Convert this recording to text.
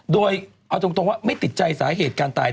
โดยเอาตรงว่าไม่ติดใจสาเหตุการตาย